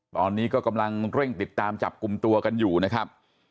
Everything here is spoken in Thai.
ตอนนี้ก็กำลังเร่งติดตามจับกลุ่มตัวกันอยู่นะครับ